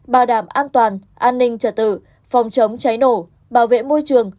bảo đảm an toàn an ninh trả tự phòng chống cháy nổ bảo vệ môi trường